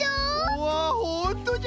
うわほんとじゃ。